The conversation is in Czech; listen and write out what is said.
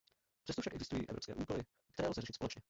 Přesto však existují evropské úkoly, které lze řešit společně.